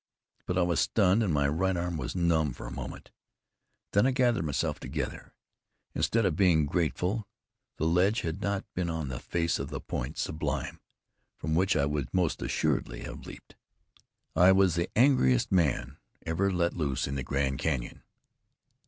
But I was stunned, and my right arm was numb for a moment. When I gathered myself together, instead of being grateful the ledge had not been on the face of Point Sublime from which I would most assuredly have leaped I was the angriest man ever let loose in the Grand Canyon.